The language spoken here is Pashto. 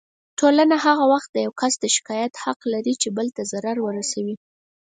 ټولنه هغه وخت د يو کس شکايت حق لري چې بل ته ضرر ورسوي.